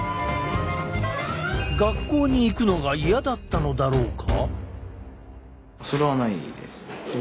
学校に行くのがイヤだったのだろうか？